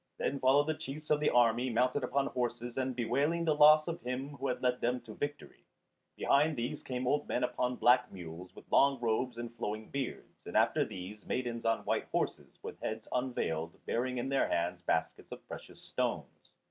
Then followed the chiefs of the army mounted upon horses and bewailing the loss of him who had led them to victory; behind these came old men upon black mules, with long robes and flowing beards; and after these maidens on white horses, with heads unveiled, bearing in their hands baskets of precious stones.